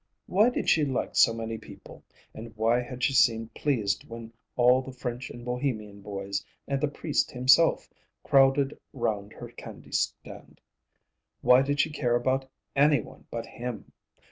Why did she like so many people, and why had she seemed pleased when all the French and Bohemian boys, and the priest himself, crowded round her candy stand? Why did she care about any one but him?